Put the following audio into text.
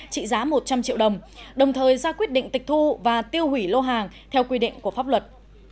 trị giá một trăm linh triệu đồng đồng thời ra quyết định tịch thu và tiêu hủy lô hàng theo quy định của pháp luật